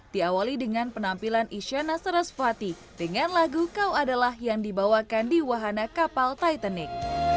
diawali dengan penampilan isyana serasvati dengan lagu kau adalah yang dibawakan di wahana kapal titanic